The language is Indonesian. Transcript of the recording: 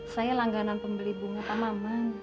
saya langganan pembeli bunga pak maman